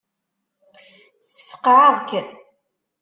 Ssfeqεeɣ-k.